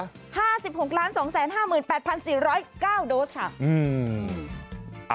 ๕๖ล้าน๒๕๘๔๐๙โดสค่ะ